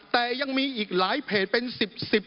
แต่ยังมีอีกหลายเพจเป็นสิบสิบ